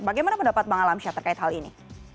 bagaimana pendapat bang alamsyah terkait hal ini